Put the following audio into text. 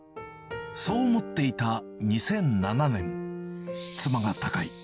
そう思っていた２００７年、妻が他界。